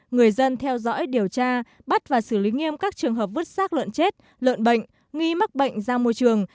người dân theo dõi điều tra bắt và xử lý nghiêm các trường hợp vứt sát lợn chết lợn bệnh nghi mắc bệnh ra môi trường